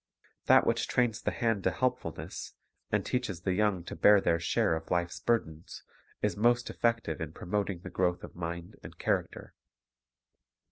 That which trains the hand to helpfulness, and teaches the young to bear their share of life's burdens, is most effective in pro moting the growth of mind and character.